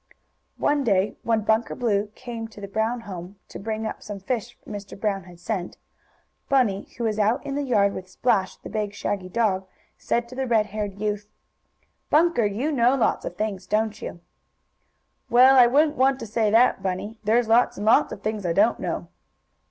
One day, when Bunker Blue came to the Brown home, to bring up some fish Mr. Brown had sent, Bunny, who was out in the yard with Splash, the big shaggy dog, said to the red haired youth: "Bunker, you know lots of things; don't you?" "Well, I wouldn't want to say that, Bunny. There's lots and lots of things I don't know."